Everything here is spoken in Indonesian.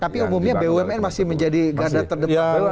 tapi umumnya bumn masih menjadi garda terdepan